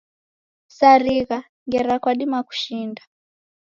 Sarigha, ngera kwadima kushinda